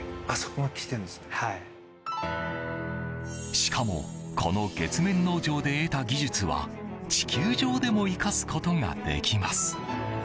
しかもこの月面農場で得た技術は地球上でも生かすことができます。